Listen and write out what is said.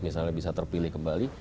misalnya bisa terpilih kembali